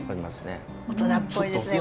大人っぽいですねこれ。